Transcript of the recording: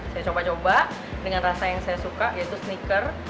saya coba coba dengan rasa yang saya suka yaitu sneaker